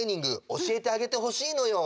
おしえてあげてほしいのよ。